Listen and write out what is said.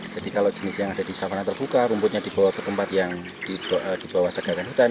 jadi kalau jenis yang ada di sabana terbuka rumputnya di bawah ke tempat yang di bawah tegakan hutan